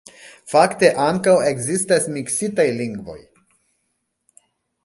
Fakte ankaŭ ekzistas miksitaj lingvoj.